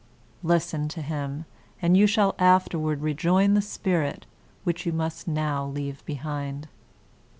Listen to him and you shall afterward rejoin the spirit, which you must now leave behind.